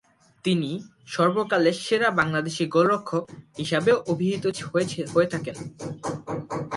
তিনি "সর্বকালের সেরা বাংলাদেশী গোলরক্ষক" হিসেবেও অভিহিত হয়ে থাকেন।